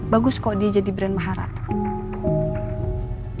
bagus kok dia jadi brand maharat